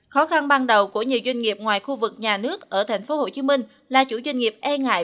khó khăn ban đầu của nhiều doanh nghiệp ngoài khu vực nhà nước ở tp hcm là chủ doanh nghiệp e ngại